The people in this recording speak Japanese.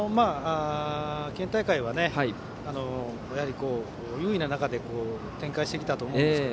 県大会は有利な中で展開してきたと思いますが